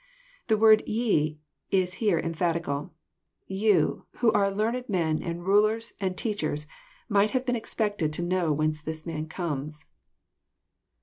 » The word " ye *' is here cmphatical. " You, who are learned men, and rulers, and teachers, might have been expected to know whence this man comes."